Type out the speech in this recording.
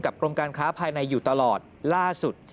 กรมการค้าภายในอยู่ตลอดล่าสุด